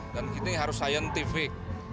dan ini harus saintifik